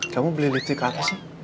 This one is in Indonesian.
kamu beli tiket apa sih